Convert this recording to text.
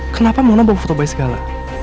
kenapa mau nambah foto bayi segala